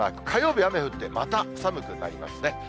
火曜日雨降って、また寒くなりますね。